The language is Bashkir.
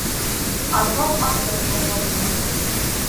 Альбом асыҡ ята ине.